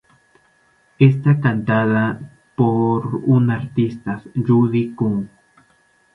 Está cantada por la artista Judy Kuhn.